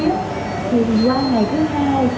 thì do ngày thứ hai cũng vậy ngày thứ ba thì bắt đầu nó nổi lên